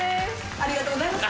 ありがとうございます。